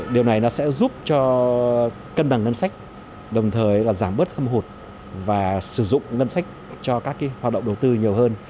điều này nó sẽ giúp cho cân bằng ngân sách đồng thời giảm bớt thâm hụt và sử dụng ngân sách cho các hoạt động đầu tư nhiều hơn